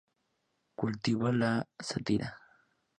Cultiva la sátira.